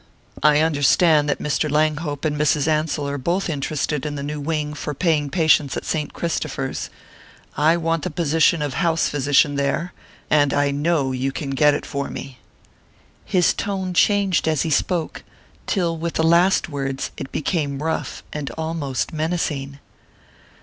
I understand that Mr. Langhope and Mrs. Ansell are both interested in the new wing for paying patients at Saint Christopher's. I want the position of house physician there, and I know you can get it for me." His tone changed as he spoke, till with the last words it became rough and almost menacing.